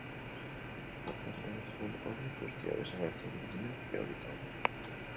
Artearen adierazpen horiek guztiak desagertu egin ziren Neolitoan.